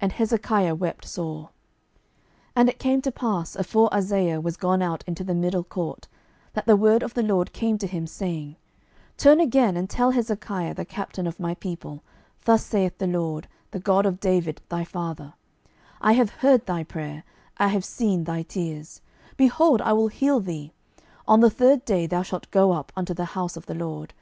And Hezekiah wept sore. 12:020:004 And it came to pass, afore Isaiah was gone out into the middle court, that the word of the LORD came to him, saying, 12:020:005 Turn again, and tell Hezekiah the captain of my people, Thus saith the LORD, the God of David thy father, I have heard thy prayer, I have seen thy tears: behold, I will heal thee: on the third day thou shalt go up unto the house of the LORD.